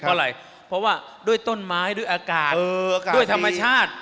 เพราะอะไรเพราะว่าด้วยต้นไม้ด้วยอากาศด้วยธรรมชาติ